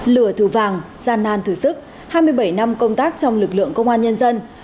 lửa thử vàng gian nan thử sức hai mươi bảy năm công tác trong lực lượng công an nhân dân